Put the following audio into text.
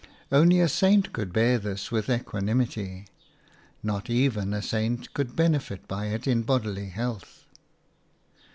Only a saint could bear this with equanimity. Not even a saint could benefit by it in bodily health.